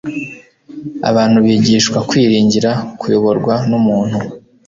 Abantu bigishwa kwiringira kuyoborwa n’umuntu,